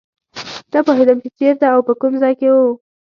نه پوهېدم چې چېرته او په کوم ځای کې یو.